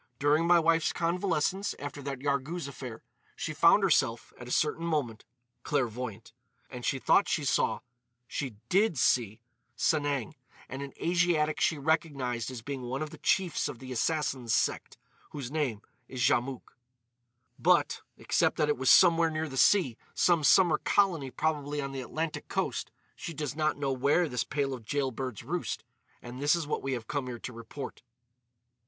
"During my wife's convalescence after that Yarghouz affair, she found herself, at a certain moment, clairvoyant. And she thought she saw—she did see—Sanang, and an Asiatic she recognised as being one of the chiefs of the Assassins sect, whose name is Djamouk. "But, except that it was somewhere near the sea—some summer colony probably on the Atlantic coast—she does not know where this pair of jailbirds roost. And this is what we have come here to report."